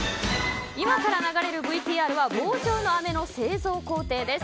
今から流れるＶＴＲは工房のあめの製造工程です。